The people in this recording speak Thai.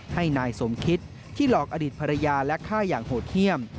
ให้นายสมคิตที่หลอกอดีตภรรยาและฆ่าอย่างโหดเยี่ยม